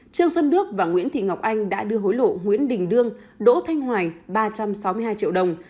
trương xuân đức và nguyễn thị ngọc anh đã đưa hối lộ nguyễn đình đương đỗ thanh hoài ba trăm sáu mươi hai triệu đồng